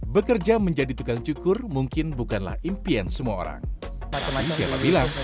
bekerja menjadi tukang cukur mungkin bukanlah impian semua orang